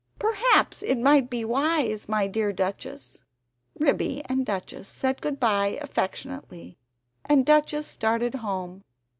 "Perhaps it might be wise, my dear Duchess." Ribby and Duchess said good bye affectionately, and Duchess started home.